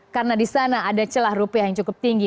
karena di sana ada celah rupiah yang cukup tinggi